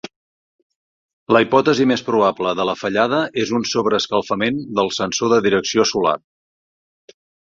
La hipòtesi més probable de la fallada és un sobreescalfament del sensor de direcció solar.